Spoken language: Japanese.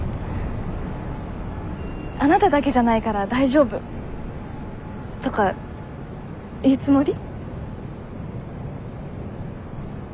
「あなただけじゃないから大丈夫」とか言うつもり？